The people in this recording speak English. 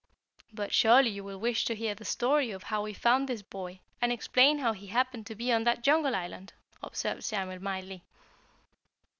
"But surely you will wish to hear the story of how we found this boy and explain how he happened to be on that jungle island!" observed Samuel mildly.